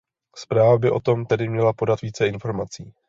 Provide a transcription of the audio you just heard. Zpráva by o tom tedy měla podat více informací.